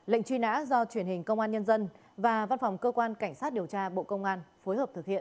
lệnh truy nã do truyền hình công an nhân dân và văn phòng cơ quan cảnh sát điều tra bộ công an phối hợp thực hiện